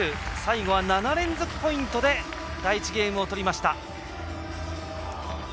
最後は７連続ポイントで第１ゲームを取りました。